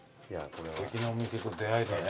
すてきなお店と出合えたね。